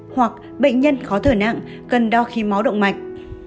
hoặc bệnh nhân khó thở nặng cần đo khí máu động mạch